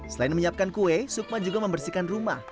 selain menyiapkan kue sukma juga membersihkan rumah